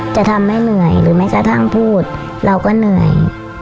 จะทำให้เหนื่อยหรือแม้กระทั่งพูดเราก็เหนื่อย